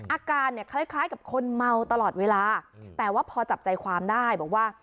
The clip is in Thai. อาการเนี่ยคล้ายกับคนเมาตลอดเวลาแต่ว่าพอจับใจความได้บอกว่า